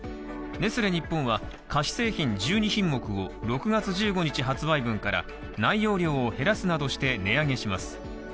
ネスレ日本は菓子製品１２品目を６月１５日発売分から内容量を減らすなどして値上げします。